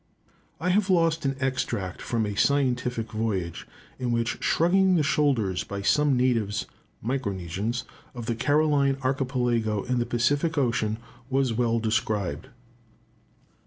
I have lost an extract from a scientific voyage, in which shrugging the shoulders by some natives (Micronesians) of the Caroline Archipelago in the Pacific Ocean, was well described.